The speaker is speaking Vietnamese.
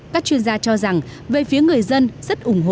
các chuyên gia cho rằng về phía người dân rất ủng hộ